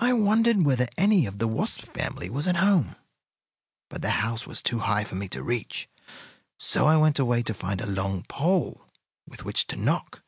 "I wondered whether any of the wasp family was at home, but the house was too high for me to reach, so I went away to find a long pole with which to knock.